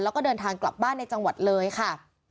แล้วก็เดินทางกลับบ้านในจังหวัดเลยค่ะ